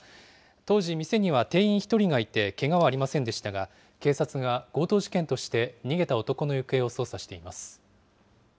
当時、店には店員１人がいて、けがはありませんでしたが、警察が強盗事件として逃げた男の行方を捜査しています。